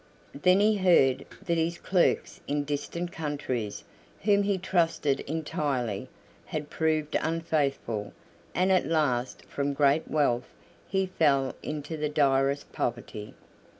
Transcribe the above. Then he heard that his clerks in distant countries, whom he trusted entirely, had proved unfaithful; and at last from great wealth he fell into the direst poverty.